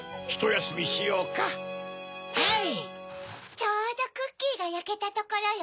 ちょうどクッキーがやけたところよ。